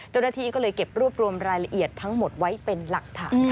เจ้าหน้าที่ก็เลยเก็บรวบรวมรายละเอียดทั้งหมดไว้เป็นหลักฐานค่ะ